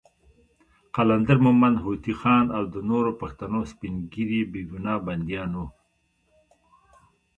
قلندر مومند، هوتي خان، او د نورو پښتنو سپین ږیري بېګناه بندیان وو.